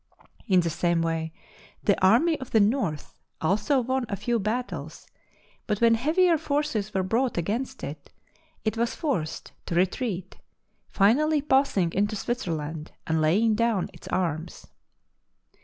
In the same way the Army of the North also won a few battles, but when heavier forces were brought against it, it was forced to re treat, finally passing into Switzerland and laying down its arms.